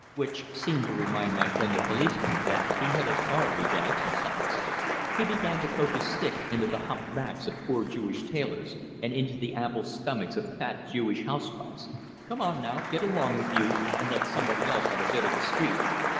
Which seemed to remind my friend the policeman that he had authority to exercise. He began to poke his stick into the humped backs of poor Jewish tailors, and into the ample stomachs of fat Jewish housewives. "Come on now, get along with you, and let somebody else have a bit o' the street."